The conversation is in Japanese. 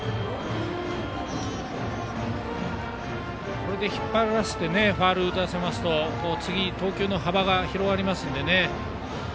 これで引っ張らせてファウルを打たせると次、投球の幅が広がりますのでね。